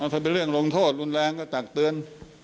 ถ้าเป็นเรื่องลงโทษรุนแรงก็ตักเตือน